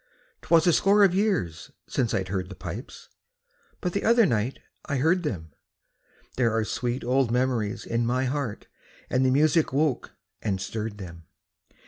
'Twas a score of years since I'd heard the pipes, But the other night I heard them; There are sweet old memories in my heart, And the music woke and stirred them.